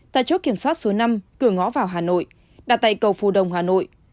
tại chốt kiểm soát số năm cửa ngõ vào hà nội đặt tại cầu phù đồng hà nội